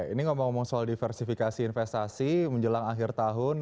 ini ngomong ngomong soal diversifikasi investasi menjelang akhir tahun